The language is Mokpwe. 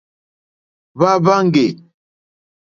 Hwá hwáŋɡè.